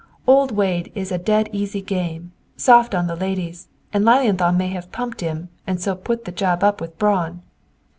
Old Wade is a 'dead easy game,' soft on the ladies, and Lilienthal may have pumped him and so put the job up with Braun."